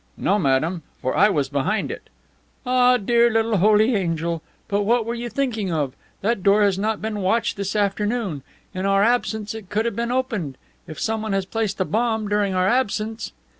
"No, madame. For I was behind it!" "Ah, dear little holy angel! But what were you thinking of! That door has not been watched this afternoon. In our absence it could have been opened. If someone has placed a bomb during our absence!"